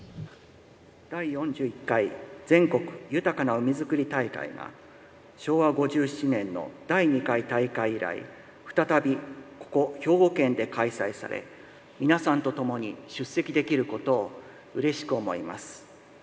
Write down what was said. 第４１回全国豊かな海づくり大会が昭和５７年の第２回大会以来再び、ここ兵庫県で開催され皆さんとともに出席できることをうれしく思います。